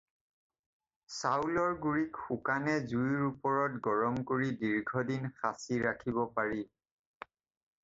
চাউলৰ গুড়িক শুকানে জুইৰ ওপৰত গৰম কৰি দীৰ্ঘ দিন সাঁচি ৰাখিব পাৰি।